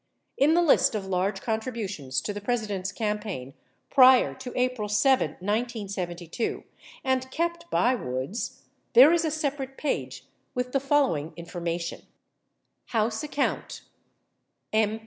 In the list of large contributions to the President's campaign prior to April 7, 1972, and kept by Woods, there is a separate page with the following information : 37 HOUSE ACCOU NT M.